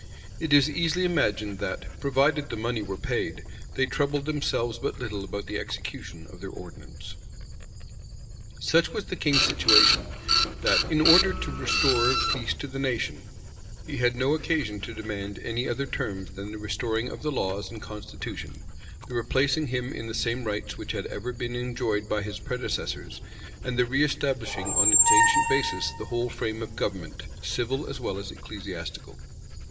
[] It is easily imagined that, provided the money were paid, they troubled themselves but little about the execution of their ordinance. * Rush. vol. vi. p. 590. Dugdale, p. 119. Rush. vol. vi. p. 748. Such was the king's situation, that, in order to restore peace to the nation, he had no occasion to demand any other terms than the restoring of the laws and constitution; the replacing him in the same rights which had ever been enjoyed by his predecessors; and the reëstablishing on its ancient basis the whole frame of government, civil as well as ecclesiastical.